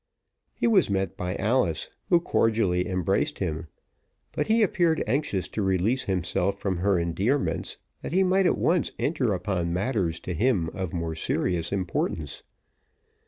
He was met by Alice, who cordially embraced him; but he appeared anxious to release himself from her endearments, that he might at once enter upon matters to him of more serious importance.